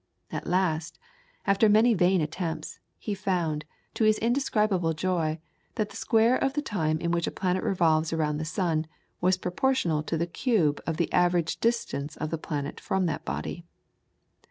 At last, after many vain attempts, he found, to his indescribable joy, that the square of the time in which a planet revolves around the sun was proportional to the cube of the average distance of the planet from that body.